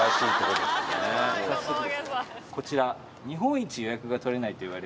こちら。